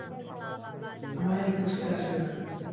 আমায় বুঝাতে আসবে না।